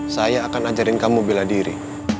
saya akan ajarin kamu bela diri